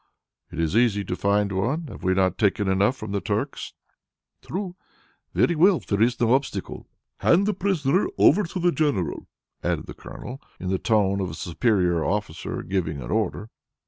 "It is easy to find one. Have we not taken enough from the Turks?" "True. Very well, there is no obstacle. Hand the prisoner over to the General," added the Colonel, in the tone of a superior officer giving an order.